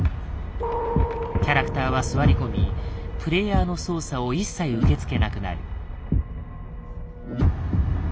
キャラクターは座り込みプレイヤーの操作を一切受け付けなくなる。